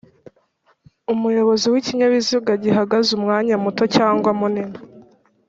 Umuyobozi w ikinyabiziga gihagaze umwanya muto cyangwa munini